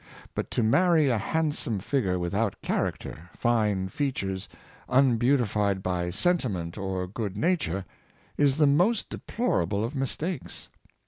But to marry a handsome figure without character, fine features unbeautified by senti ment or good nature, is the most deplorable of mistakes.